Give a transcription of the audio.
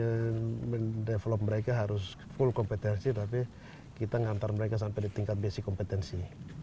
karena kita tidak develop mereka harus full kompetensi tapi kita mengantar mereka sampai di tingkat basic kompetensi